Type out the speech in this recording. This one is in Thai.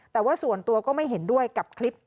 แต่ว่าส่วนตัวก็ไม่เห็นด้วยกับคลิป